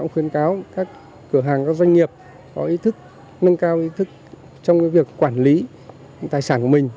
khuyến cáo các cửa hàng các doanh nghiệp có ý thức nâng cao ý thức trong việc quản lý tài sản của mình